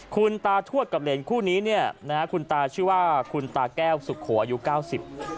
คุณตาทวดกับเหรนคู่นี้เนี่ยนะฮะคุณตาชื่อว่าคุณตาแก้วสุโขอายุเก้าสิบ